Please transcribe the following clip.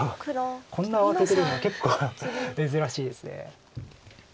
こんな慌ててるの結構珍しいです。